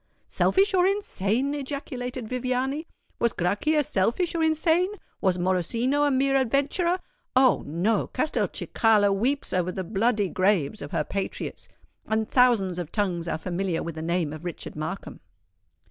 "Selfish or insane!" ejaculated Viviani. "Was Grachia selfish or insane? was Morosino a mere adventurer? Oh! no—Castelcicala weeps over the bloody graves of her patriots; and thousands of tongues are familiar with the name of Richard Markham."